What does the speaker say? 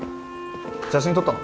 写真撮ったの？